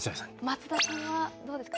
松田さんは、どうですか。